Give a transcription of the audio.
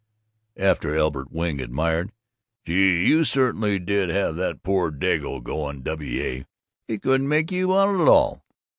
Afterward Elbert Wing admired, "Gee, you certainly did have that poor Dago going, W. A. He couldn't make you out at all!"